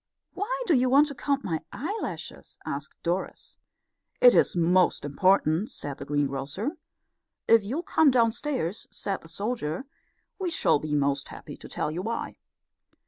"Why do you want to count my eyelashes?" asked Doris. "It's most important," said the greengrocer. "If you'll come downstairs," said the soldier, "we shall be most happy to tell you why."